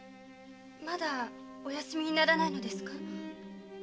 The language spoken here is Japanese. まだお休みにならないのですか？